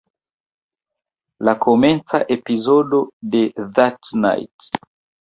La komenca epizodo de "That Night!